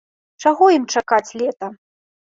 Чаго ім чакаць лета?